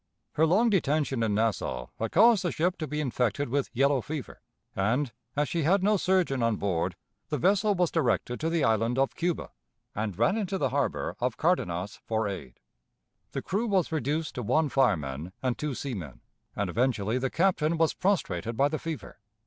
Her long detention in Nassau had caused the ship to be infected with yellow fever, and, as she had no surgeon on board, the vessel was directed to the Island of Cuba, and ran into the harbor of Cardenas for aid. The crew was reduced to one fireman and two seamen, and eventually the Captain was prostrated by the fever.